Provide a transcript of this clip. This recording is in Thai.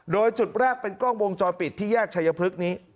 โดยจุดแรกเป็นกล้องวงจรปิดที่แยกชายพฤกษ์นี้